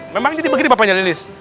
memang jadi begini paknya lilis